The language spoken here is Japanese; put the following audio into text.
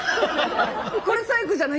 これ最後じゃない？